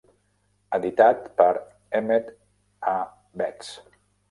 Editat per Emmett A. Betts.